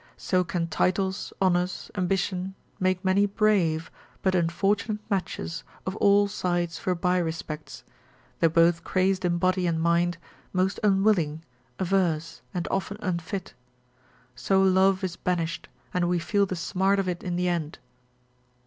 So can titles, honours, ambition, make many brave, but unfortunate matches of all sides for by respects, (though both crazed in body and mind, most unwilling, averse, and often unfit,) so love is banished, and we feel the smart of it in the end.